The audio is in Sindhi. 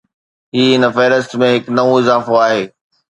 هي هن فهرست ۾ هڪ نئون اضافو آهي